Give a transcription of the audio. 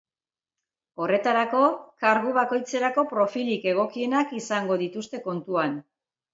Horretarako, kargu bakoitzerako profilik egokienak izango dituzte kontuan.